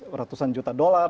beratusan juta dolar